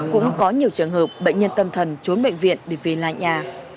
cũng có nhiều trường hợp bệnh nhân tâm thần trốn bệnh viện để về lại nhà